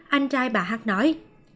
anh trai bà hắc nói